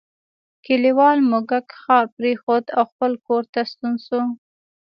کلیوال موږک ښار پریښود او خپل کور ته ستون شو.